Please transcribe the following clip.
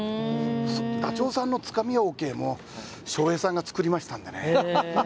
ダチョウさんのつかみはＯＫも、笑瓶さんが作りましたんでね。